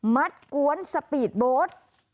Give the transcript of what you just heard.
มัดกวนสปีดโบสต์